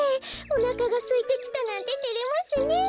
おなかがすいてきたなんててれますね。